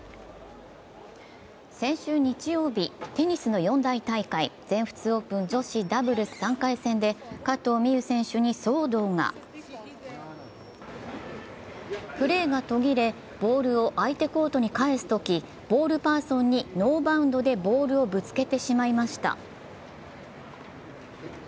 先週日曜日、テニスの四大大会、全仏オープン女子ダブルス３回戦で加藤未唯選手にトラブルがプレーが途切れ、ボールを相手コートに返すとき、ボールパーソンにノーバウンドでボールをぶつけてしまいました。